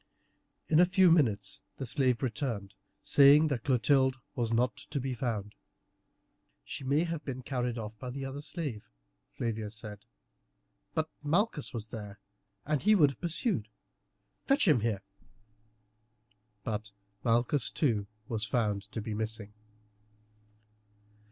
In a few minutes the slave returned, saying that Clotilde was not to be found. "She may have been carried off by the other slave," Flavia said, "but Malchus was there, and would have pursued. Fetch him here." But Malchus too was found to be missing.